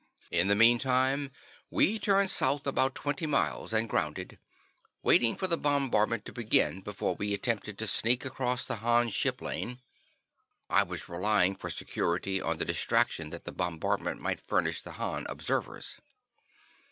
In the meantime, we turned south about twenty miles, and grounded, waiting for the bombardment to begin before we attempted to sneak across the Han ship lane. I was relying for security on the distraction that the bombardment might furnish the Han observers.